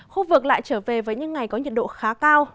khu vực lại trở về với những ngày có nhiệt độ khá cao